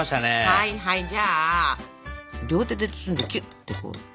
はいはいじゃあ両手で包んでぎゅってこう。